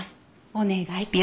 お願い。